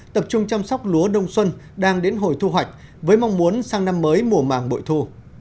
tập trung chăm sóc lúa đông xuân đang đến hồi thu hoạch với mong muốn sang năm mới mùa màng bội thu